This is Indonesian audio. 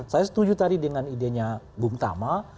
saya setuju tadi dengan idenya bumtama